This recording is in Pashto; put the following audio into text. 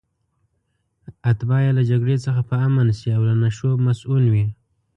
اتباع یې له جګړې څخه په امن شي او له نشو مصئون وي.